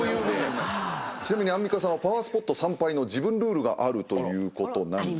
ちなみにアンミカさんはパワースポット参拝の自分ルールがあるということなんですが。